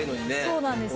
そうなんですよ。